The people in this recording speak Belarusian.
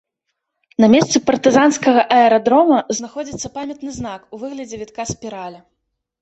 На месцы партызанскага аэрадрома знаходзіцца памятны знак у выглядзе вітка спіралі.